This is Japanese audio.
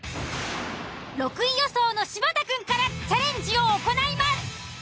６位予想の柴田くんからチャレンジを行います。